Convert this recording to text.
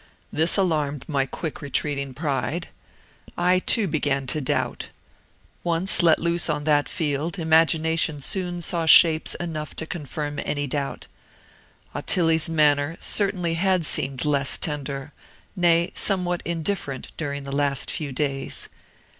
This alarmed my quick retreating pride! I, too, began to doubt. Once let loose on that field, imagination soon saw shapes enough to confirm any doubt. Ottilie's manner certainly had seemed less tender nay, somewhat indifferent during the last few days.